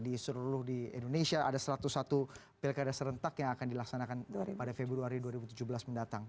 di seluruh di indonesia ada satu ratus satu pilkada serentak yang akan dilaksanakan pada februari dua ribu tujuh belas mendatang